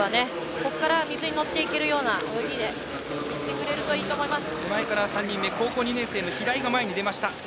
ここから水に乗っていけるような泳ぎでいってくれるといいと思います。